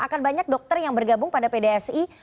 akan banyak dokter yang bergabung pada pdsi